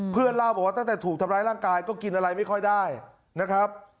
เล่าบอกว่าตั้งแต่ถูกทำร้ายร่างกายก็กินอะไรไม่ค่อยได้นะครับ